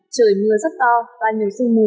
trời mưa rất to và nhiều sinh mù